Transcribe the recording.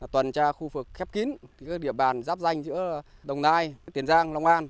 toàn tra khu vực khép kín địa bàn giáp danh giữa đồng nai tiền giang long an